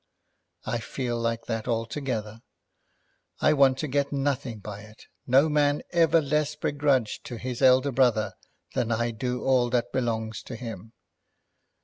"I feel like that altogether. I want to get nothing by it. No man ever less begrudged to his elder brother than I do all that belongs to him.